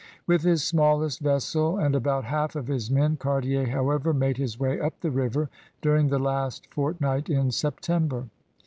With his smallest vessel and about half of his men, Cartier, however, made his way up the river during the last fortnight in September.